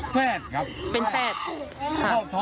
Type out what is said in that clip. แฟสเป็นแฟส